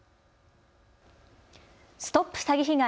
ＳＴＯＰ詐欺被害！